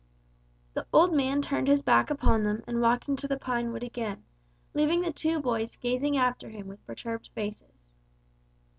The old man turned his back upon them and walked into the pine wood again, leaving the two boys gazing after him with perturbed faces.